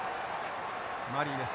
マリーです。